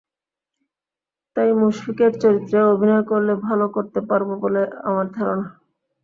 তাই মুশফিকের চরিত্রেও অভিনয় করলে ভালো করতে পারব বলে আমার ধারণা।